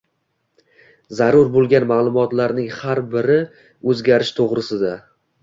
zarur bo‘lgan ma’lumotlarning har bir o‘zgarishi to‘g‘risida